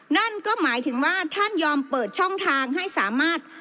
นั่นก็หมายถึงว่าท่านยอมเปิดช่องทางให้สามารถ